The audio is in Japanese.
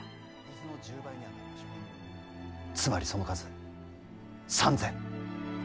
つまりその数３，０００。